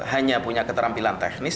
hanya punya keterampilan teknis